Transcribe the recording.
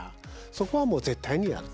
そこは絶対にやる。